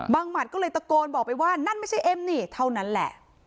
หมัดก็เลยตะโกนบอกไปว่านั่นไม่ใช่เอ็มนี่เท่านั้นแหละ